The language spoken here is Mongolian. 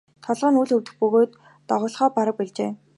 Толгой нь үл өвдөх бөгөөд доголохоо бараг больжээ.